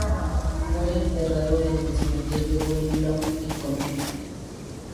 Fue enterrado en el Cementerio Green Lawn, en Columbus.